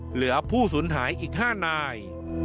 เหลือผู้สูญหายอีก๕นาย